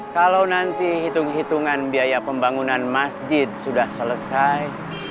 kalau nanti hitung hitungan biaya pembangunan masjid sudah selesai